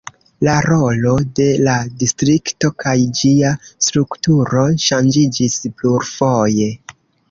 La rolo de la distrikto kaj ĝia strukturo ŝanĝiĝis plurfoje.